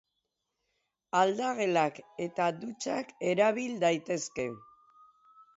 Aldagelak eta dutxak erabil daitezke.